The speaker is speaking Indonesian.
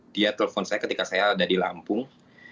dia telepon saya ketika saya ada di lampung